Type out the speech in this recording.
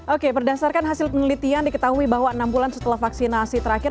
oke berdasarkan hasil penelitian diketahui bahwa enam bulan setelah vaksinasi terakhir